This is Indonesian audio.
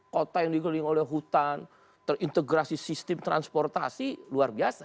kota yang dikeliling oleh hutan terintegrasi sistem transportasi luar biasa